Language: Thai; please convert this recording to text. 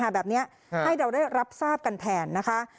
แบบนี้ให้เราได้รับทราบกันแทนนะคะ